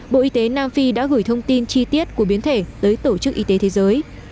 bộ y tế nam phi đã gửi thông tin chi tiết của biến thể tới tổ chức y tế thế giới